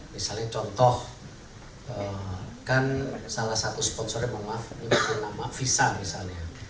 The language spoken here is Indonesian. misalnya contoh kan salah satu sponsornya diberi nama visa misalnya